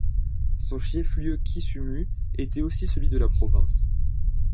Son chef-lieu Kisumu était aussi celui de la province.